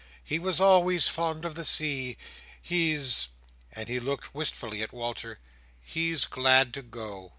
He was always fond of the sea He's"—and he looked wistfully at Walter—"he's glad to go."